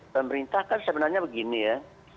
pemerintah kan sebenarnya begini ya